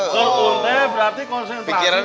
kerunt teh berarti konsentrasi belajar